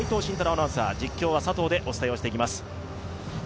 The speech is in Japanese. アナウンサー実況は佐藤でお伝えをしていきます。